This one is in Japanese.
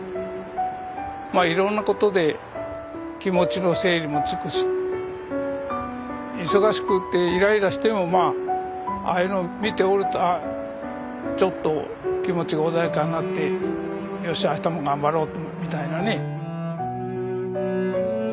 まあいろんなことで気持ちの整理もつくし忙しくってイライラしてもまあああいうのを見ておるとちょっと気持ちが穏やかになってよしあしたも頑張ろうみたいなね。